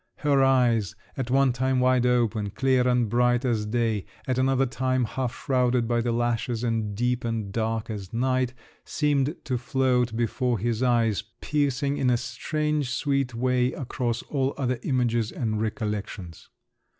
Her eyes, at one time wide open, clear and bright as day, at another time half shrouded by the lashes and deep and dark as night, seemed to float before his eyes, piercing in a strange sweet way across all other images and recollections.